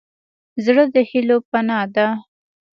زړه د هيلو پناه ده.